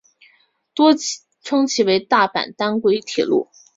多称其为大阪单轨铁路。